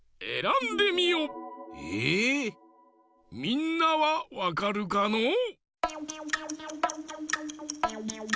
みんなはわかるかのう？